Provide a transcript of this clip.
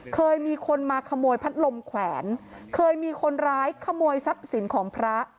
เคยมีคนมาขโมยพัดลมแขวนเคยมีคนร้ายขโมยทรัพย์สินของพระ